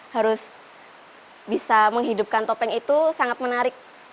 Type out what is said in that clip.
harus bisa menghidupkan topeng itu sangat menarik